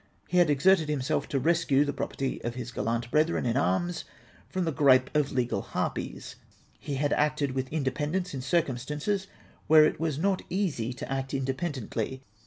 He had exerted himself to rescue the property of liis gallant brethren in arms from the gi'ipe of legal harpies ; he had acted with independence in circumstances where it Avas not easy to act independently.